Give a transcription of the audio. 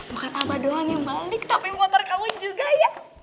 bukan apa doang yang balik tapi motor kamu juga ya